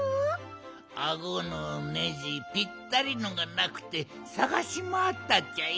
あごのネジぴったりのがなくてさがしまわったっちゃよ。